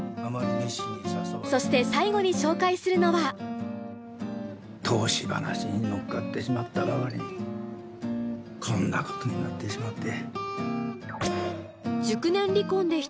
そして最後に紹介するのは投資話に乗っかってしまったばかりにこんなことになってしまって。